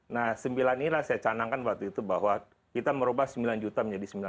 nah sembilan ini saya canangkan waktu itu bahwa kita merupakan perusahaan yang sangat berharga